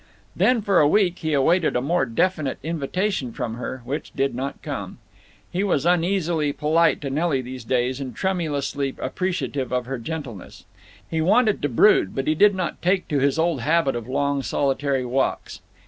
Then for a week he awaited a more definite invitation from her, which did not come. He was uneasily polite to Nelly these days, and tremulously appreciative of her gentleness. He wanted to brood, but he did not take to his old habit of long solitary walks.